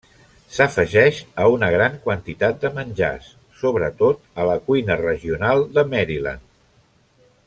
S'afegeix a una gran quantitat de menjars, sobretot a la cuina regional de Maryland.